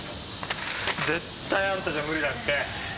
絶対あんたじゃ無理だって。